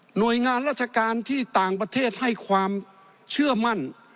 หน่วยงานราชการที่ต่างประเทศให้ความเชื่อมั่น